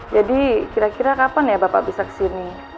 jadi kira kira kapan ya bapak bisa kesini